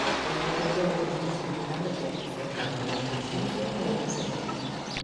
É un reto e unha responsabilidade que hai que afrontar con intelixencia e ilusión.